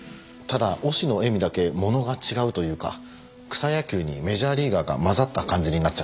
ただ忍野絵美だけものが違うというか草野球にメジャーリーガーが交ざった感じになっちゃってます。